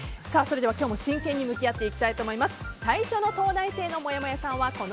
今日も真剣に向き合っていきたいと思います。